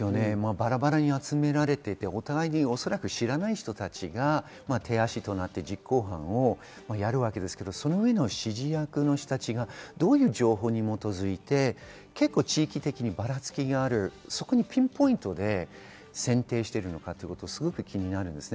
バラバラに集められていて、お互いのおそらく知らない人たちが手足となって、実行犯をやるわけですけど、その上の指示役の人たちがどういう情報に基づいて、結構、地域的にばらつきがある、そこにピンポイントで選定しているのかすごく気になります。